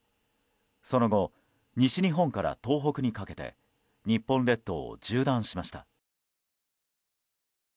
その後、西日本から東北にかけて日本列島を縦断しました。